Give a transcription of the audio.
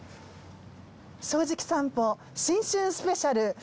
『正直さんぽ』新春スペシャル。